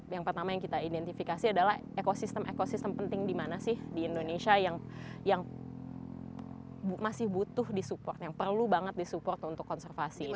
yang pertama yang kita identifikasi adalah ekosistem ekosistem penting di mana sih di indonesia yang masih butuh di support yang perlu banget di support untuk konservasi ini